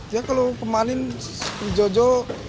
ya kalau kemarin jojo